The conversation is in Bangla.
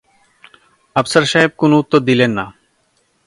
আফসার সাহেব কোনো উত্তর দিলেন না।